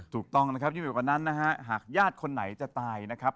ถูกต้องนะครับยิ่งไปกว่านั้นนะฮะหากญาติคนไหนจะตายนะครับ